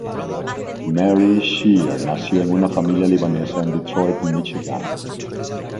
Mary Scheer nació en una familia libanesa en Detroit, Míchigan.